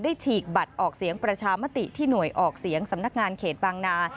ฉีกบัตรออกเสียงประชามติที่หน่วยออกเสียงสำนักงานเขตบางนา